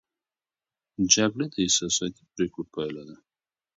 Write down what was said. جګړه د احساساتي پرېکړو پایله ده.